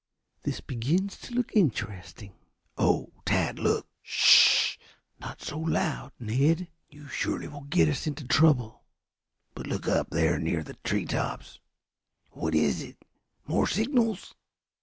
This begins to look interesting." "Oh, Tad, look!" "Sh h h h! Not so loud, Ned. You surely will get us into trouble." "But look up there near the tree tops. What is it? More signals?"